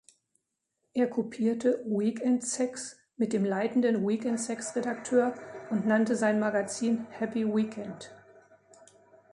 Er kopierte "Weekend Sex" mit dem leitenden Weekend-Sex-Redakteur und nannte sein Magazin "Happy Weekend".